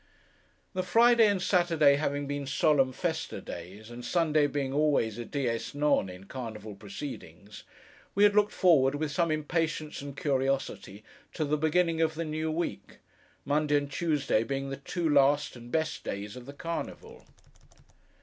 The Friday and Saturday having been solemn Festa days, and Sunday being always a dies non in carnival proceedings, we had looked forward, with some impatience and curiosity, to the beginning of the new week: Monday and Tuesday being the two last and best days of the Carnival.